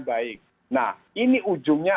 baik nah ini ujungnya